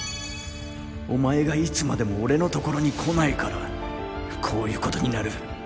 お前がいつまでも俺のところに来ないからこういうことになる。